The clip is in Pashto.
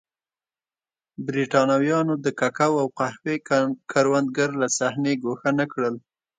برېټانویانو د کوکو او قهوې کروندګر له صحنې ګوښه نه کړل.